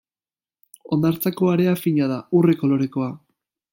Hondartzako area fina da, urre kolorekoa.